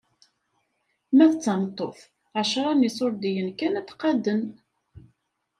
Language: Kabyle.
Ma d tameṭṭut, ɛecṛa n iṣurdiyen kan ad qadden.